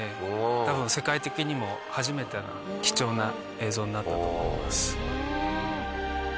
多分世界的にも初めてな貴重な映像なったと思います。